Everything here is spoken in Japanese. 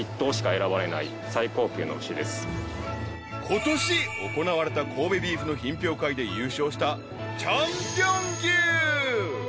［ことし行われた神戸ビーフの品評会で優勝したチャンピオン牛］